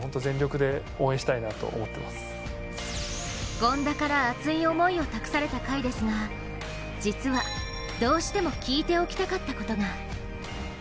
権田から熱い思いを託された甲斐ですが実はどうしても聞いておきたかったことが。